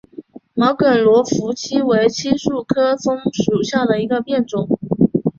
毛梗罗浮槭为槭树科枫属下的一个变种。